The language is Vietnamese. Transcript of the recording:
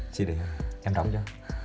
chị để em đóng cho